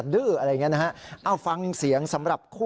ธรรมเรียร์ครับ